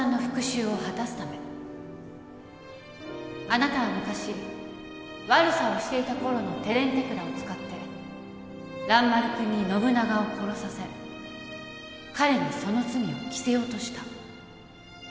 あなたは昔悪さをしていたころの手練手管を使って蘭丸君に信長を殺させ彼にその罪を着せようとした。